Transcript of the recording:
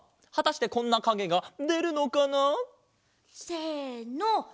はたしてこんなかげがでるのかな？せの！